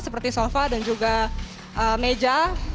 seperti sofa dan juga meja